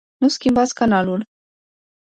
Nu schimbați canalul.